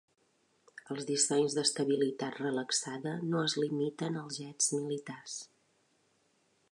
Els dissenys d'estabilitat relaxada no es limiten als jets militars.